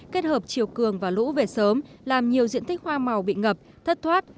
kết hợp chiều cường và lũ về sớm làm nhiều diện tích hoa màu bị ngập thất thoát